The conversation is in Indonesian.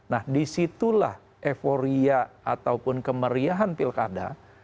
nah disitulah euforia ataupun kemeriahan pilkada